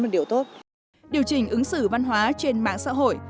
điều chỉnh ứng xử văn hóa trên mạng xã hội